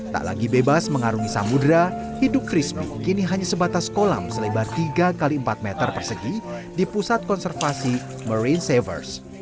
tak lagi bebas mengarungi samudera hidup crispy kini hanya sebatas kolam selebar tiga x empat meter persegi di pusat konservasi marine savers